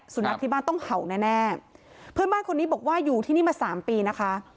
สุนัขที่บ้านต้องเห่าแน่แน่เพื่อนบ้านคนนี้บอกว่าอยู่ที่นี่มาสามปีนะคะ